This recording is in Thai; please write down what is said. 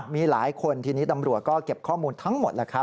มีหลายคนทีนี้ตำรวจก็เก็บข้อมูลทั้งหมดแล้วครับ